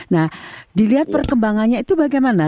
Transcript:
nah dilihat perkembangannya itu bagaimana